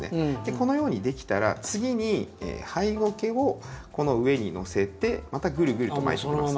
このように出来たら次にハイゴケをこの上にのせてまたぐるぐると巻いていきます。